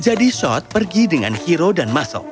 jadi shot pergi dengan hiro dan masal